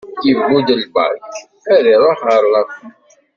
Yiwi-d lbak, ad iruḥ ɣer lafak